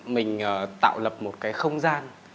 mình tạo lập một cái không gian